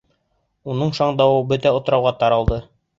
Уның шаңдауы бөтә утрауға таралды.